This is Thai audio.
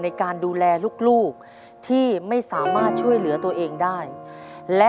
ในการดูแลลูกที่ไม่สามารถช่วยเหลือตัวเองได้และ